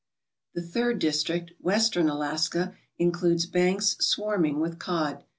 The third district, Western Alaska, includes banks swarming with cod.